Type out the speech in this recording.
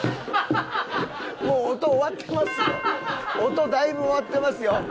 もう音終わってますよ。